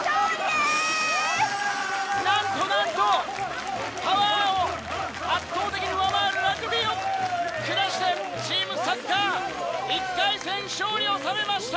なんとなんとパワーを圧倒的に上回るラグビーを下してチームサッカー１回戦勝利を収めました！